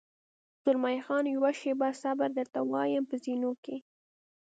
زلمی خان: یوه شېبه صبر، درته وایم، په زینو کې.